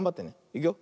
いくよ。